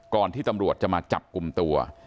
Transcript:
ที่ตำรวจจะมาจับกลุ่มตัว